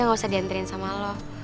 nggak usah diantarin sama lo